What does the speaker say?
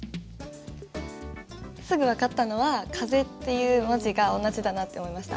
すぐ分かったのは「風」っていう文字が同じだなと思いました。